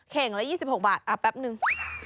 เข่งละ๒๖บาทอ่ะแป๊บหนึ่ง